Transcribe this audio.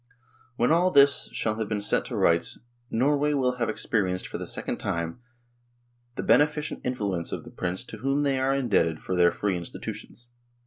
When all this shall have been set to rights " Norway will have experienced for the second time the beneficent influence of the prince to whom they are indebted for their free institutions."